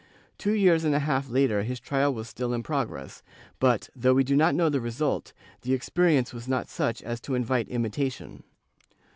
Two years and a half later his trial was still in progress, but, though we do not know the result, the experience was not such as to invite imitation.